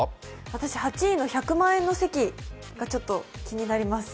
私、８位の１００万円の席が気になります。